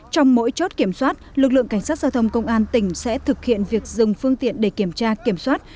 trong mỗi chốt kiểm soát lực lượng cảnh sát giao thông công an tỉnh sẽ thực hiện việc dừng phương tiện để kiểm tra kiểm soát